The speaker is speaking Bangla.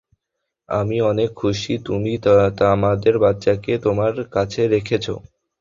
আমি অনেক খুশী, তুমি আমাদের বাচ্চাকে তোমার কাছে রেখেছো।